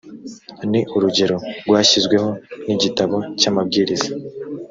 ni urugero rwashyizweho n’igitabo cy’amabwiriza